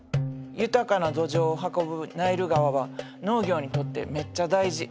豊かな土壌を運ぶナイル川は農業にとってめっちゃ大事。